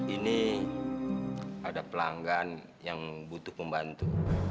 ini ada pelanggan yang butuh membantu